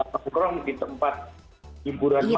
atau kurang di tempat hiburan malam